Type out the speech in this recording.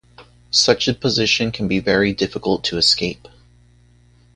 Such a position can be very difficult to escape.